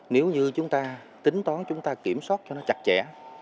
nếu như chúng ta tính toán chúng ta kiểm soát cho nó chặt chẽ